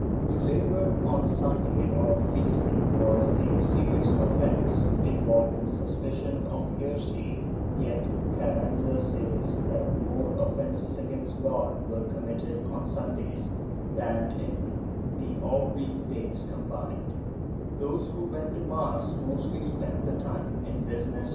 ^ To labor on Sunday or feast day was a serious offence, involving suspicion of heresy, yet Carranza says that more offences against God were committed on Sundays than in all the week days combined ; those who went to mass mostly spent the time in MSS.